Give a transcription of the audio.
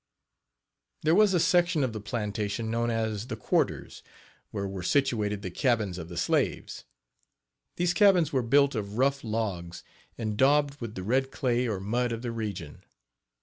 There was a section of the plantation known as "the quarters," where were situated the cabins of the slaves. These cabins were built of rough logs, and daubed with the red clay or mud of the region.